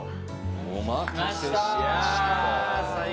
お待たせしました。